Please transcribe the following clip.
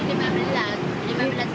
sekarang satu hari lima belas